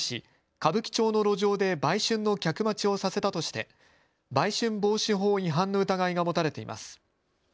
歌舞伎町の路上で売春の客待ちをさせたとして売春防止法違反の疑いが持たれています。